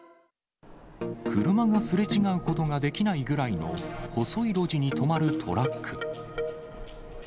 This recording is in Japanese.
車がすれ違うことができないぐらいの細い路地に止まるトラック。